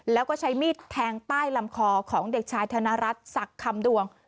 แล้วก็ใช้มีดแทงใต้ลำคอของเด็กชายธนรัฐศักดิ์คำดวง